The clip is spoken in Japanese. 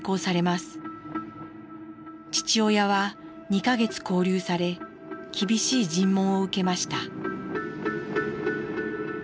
父親は２か月勾留され厳しい尋問を受けました。